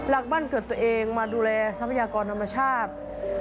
รักบ้านเกิดตัวเองมาดูแลทรัพยากรธรรมชาติ